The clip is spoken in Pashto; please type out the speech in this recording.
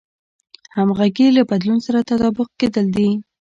همغږي له بدلون سره تطابق کېدل دي.